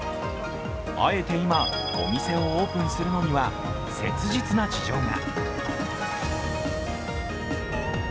あえて今、お店をオープンするのには切実な事情が。